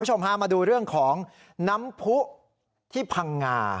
ผมพูดช่องฮามาดูเรื่องของน้ำพุที่พังงา